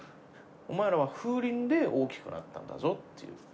お前らは風鈴で大きくなったんだぞっていう。